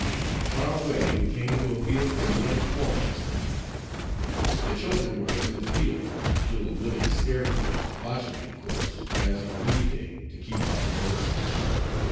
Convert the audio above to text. On our way, we came to a field where the young corn was coming up. The children were in the field little living scarecrows watching it, of course, as on a weekday, to keep off the birds.